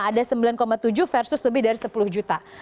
ada sembilan tujuh versus lebih dari sepuluh juta